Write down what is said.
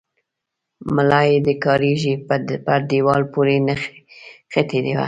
ملا يې د کارېزه پر دېوال پورې نښتې وه.